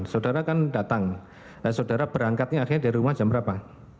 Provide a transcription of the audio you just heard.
saudara kan datang saudara berangkatnya akhirnya dari rumah jam berapa